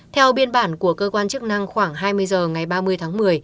theo biên bản của cơ quan chức năng khoảng hai mươi h ngày ba mươi tháng một mươi